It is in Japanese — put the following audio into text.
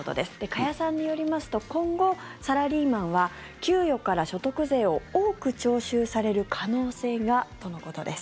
加谷さんによりますと今後、サラリーマンは給与から所得税を多く徴収される可能性がとのことです。